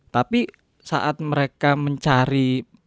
tapi saat mereka mencari